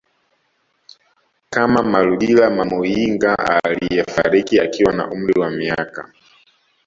kama Malugila Mwamuyinga aliyefariki akiwa na umri wa miaka